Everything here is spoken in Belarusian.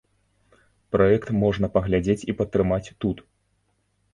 Праект можна паглядзець і падтрымаць тут.